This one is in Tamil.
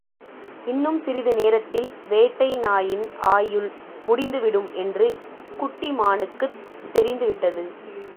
இன்னும் சிறிது நேரத்தில் வேட்டை நாயின் ஆயுள் முடிந்துவிடும் என்று குட்டி மானுக்குத் தெரிந்து விட்டது.